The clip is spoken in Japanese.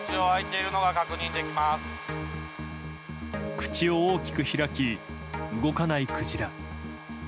口を大きく開き動かないクジラ。